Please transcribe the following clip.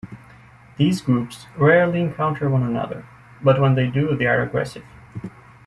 These groups rarely encounter one another, but when they do, they are aggressive.